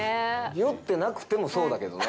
酔ってなくてもそうだけどね。